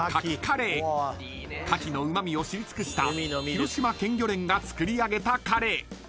［カキのうま味を知り尽くした広島県漁連が作り上げたカレー］